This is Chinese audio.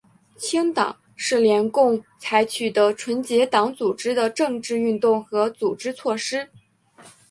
清党是联共采取的纯洁党组织的政治运动和组织措施。